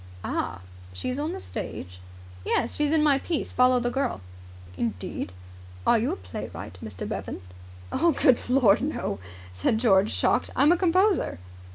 "Ah! She is on the stage?" "Yes. She's in my piece, 'Follow the Girl'." "Indeed! Are you a playwright, Mr. Bevan?" "Good Lord, no!" said George, shocked. "I'm a composer."